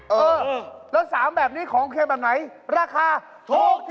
เออแล้ว๓แบบนี้ของเค็มแบบไหนราคาถูกที่สุด